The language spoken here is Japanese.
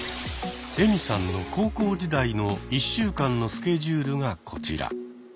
エミさんの高校時代の１週間のスケジュールがこちら。